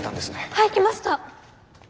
はい来ました！